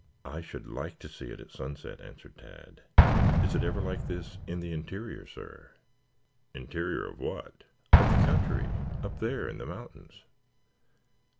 "I should like to see it at sunset," answered Tad. "Is it ever like this in the interior, sir?" "Interior of what?" "Of the country? Up there in the mountains?"